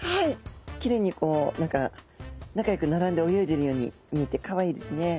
きれいにこう何か仲良く並んで泳いでいるように見えてかわいいですね。